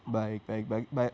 baik baik baik